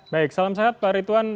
baik salam sehat pak ritwan